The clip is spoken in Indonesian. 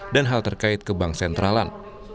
dan hal terkait kebang sentralan